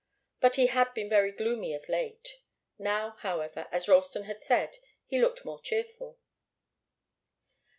But he had been very gloomy of late. Now, however, as Ralston had said, he looked more cheerful.